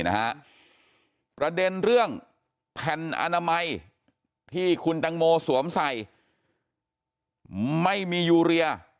นะฮะประเด็นเรื่องแผ่นอนามัยที่คุณตังโมสวมใส่ไม่มียูเรีย